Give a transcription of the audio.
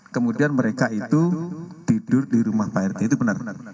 kemudian mereka itu tidur di rumah prt itu benar